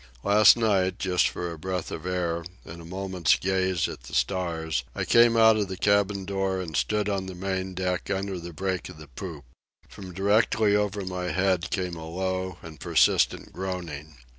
Last night, just for a breath of air and a moment's gaze at the stars, I came out of the cabin door and stood on the main deck under the break of the poop. From directly over my head came a low and persistent groaning.